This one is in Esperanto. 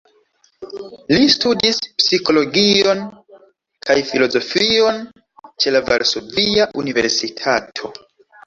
Li studis psikologion kaj filozofion ĉe la Varsovia Universitato.